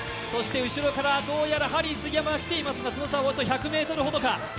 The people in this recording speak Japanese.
後ろからハリー杉山が来ていますが、その差は１００ｍほどか。